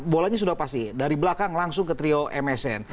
bolanya sudah pasti dari belakang langsung ke trio msn